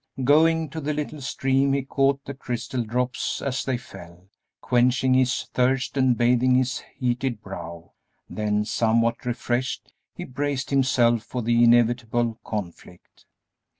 Going to the little stream he caught the crystal drops as they fell, quenching his thirst and bathing his heated brow; then, somewhat refreshed, he braced himself for the inevitable conflict.